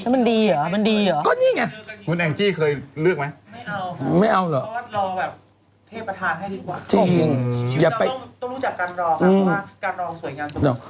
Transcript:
มันก็จะบอกว่าในระยะนี้